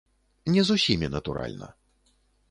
Не з усімі, натуральна.